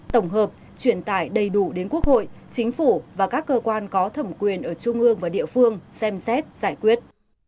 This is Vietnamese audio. tổng hợp truyền tải đầy đủ đến quốc hội chính phủ và các cơ quan có thẩm quyền ở trung ương và địa phương xem xét giải quyết